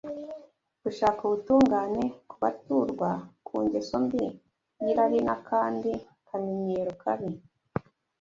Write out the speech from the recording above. gushaka ubutungane, kubaturwa ku ngeso mbi y’irari n’akandi kamenyero kabi.